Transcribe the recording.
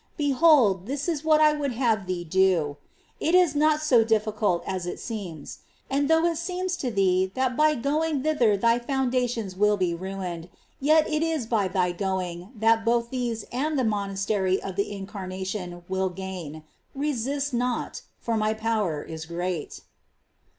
Behold, this is what I would have thee do : it is not so difficult as it seems ; and though it seems to thee that by going thither thy foundations will be ruined, yet it is by thy going that both these and the monastery of the Incarnation will gain ; resist not, for My power is great."